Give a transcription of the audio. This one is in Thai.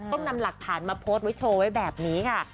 ต้องนำหลักฐานมาโพสต์ไว้โชว์ไว้แบบนี้ค่ะ